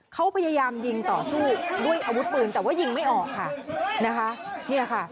เขาพยายามยิงต่อสู้ด้วยอาวุธปืนแต่ว่ายิงไม่ออกค่ะ